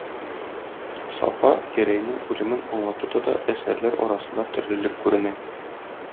Сафа Гәрәйнең үлемен аңлатуда да әсәрләр арасында төрлелек күренә.